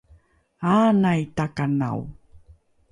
aanai takanao